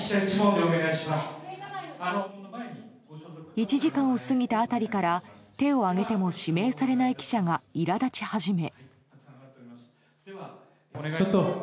１時間を過ぎた辺りから手を挙げても指名されない記者が苛立ち始め。